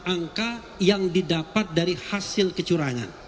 angka yang didapat dari hasil kecurangan